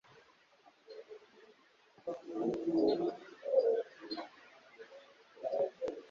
Ikponwosa Ero